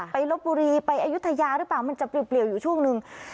ลบบุรีไปอายุทยาหรือเปล่ามันจะเปรียวอยู่ช่วงหนึ่ง